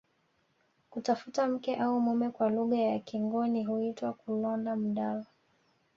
Kutafuta mke au mume kwa lugha ya kingoni huitwa kulonda mdala